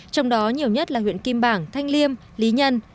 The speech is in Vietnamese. trong đó nhiều nhất là huyện kim bảng thanh liêm lý nhân